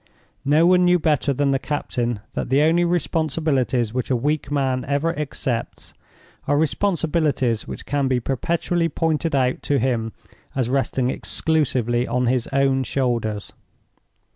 No one knew better than the captain that the only responsibilities which a weak man ever accepts are responsibilities which can be perpetually pointed out to him as resting exclusively on his own shoulders.